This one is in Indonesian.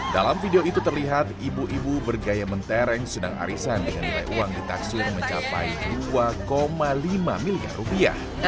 dalam video itu terlihat ibu ibu bergaya mentereng sedang arisan dengan nilai uang ditaksir mencapai dua lima miliar rupiah